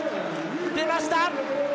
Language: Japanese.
出ました。